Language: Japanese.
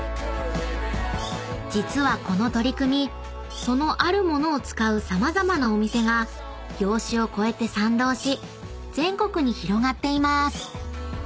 ［実はこの取り組みそのある物を使う様々なお店が業種を越えて賛同し全国に広がっています］